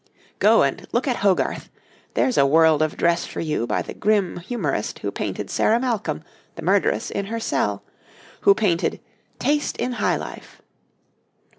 Go and look at Hogarth; there's a world of dress for you by the grim humorist who painted Sarah Malcolm, the murderess, in her cell; who painted 'Taste in High Life.'